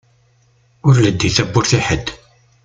Ur leddi tawwurt i ḥedd!